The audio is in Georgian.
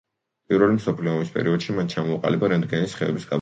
პირველი მსოფლიო ომის პერიოდში მან ჩამოაყალიბა რენტგენის სხივების კაბინეტი.